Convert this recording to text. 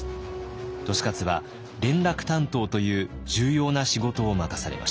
利勝は連絡担当という重要な仕事を任されました。